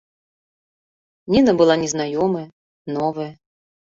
Ніна была незнаёмая, новая.